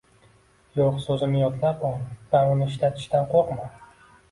“Yo‘q” so‘zini yodlab ol va uni ishlatishdan qo‘rqma.